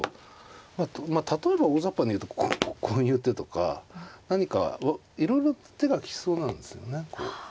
例えば大ざっぱに言うとこういう手とか何かいろいろ手が来そうなんですよねこう。